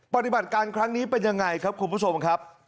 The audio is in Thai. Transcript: ปฏิบัติการครั้งนี้เป็นยังไงครับคุณผู้ชมครับ